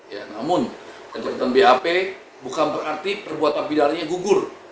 ya namun kecerdasan bap bukan berarti perbuatan pindahannya gugur